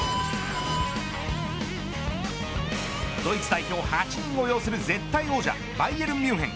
ドイツ代表８人を擁する絶対王者バイエルン・ミュンヘン